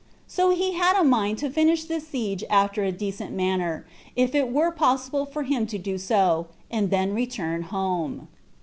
So he had a mind to finish this siege after a decent manner, if it were possible for him so to do, and then to return home.